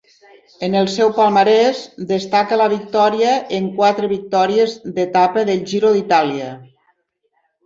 En el seu palmarès destaca la victòria en quatre victòries d'etapa del Giro d'Itàlia.